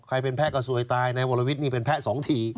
แพ้เป็นแพ้กระซวยตายนายวรวิทย์นี่เป็นแพ้๒ที